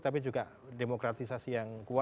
tapi juga demokratisasi yang kuat